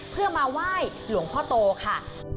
เพื่อมาไหว้หลวงพ่อโตค่ะ